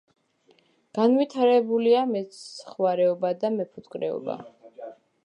განვითარებულია მეცხვარეობა და მეფუტკრეობა.